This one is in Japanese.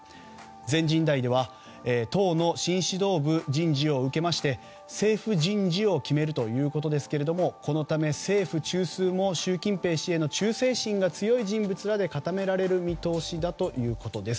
全人代では党の新指導部人事を受けまして政府人事を決めるということですけどもこのため、政府中枢も習近平氏への忠誠心が強い人物らで固められる見通しだということです。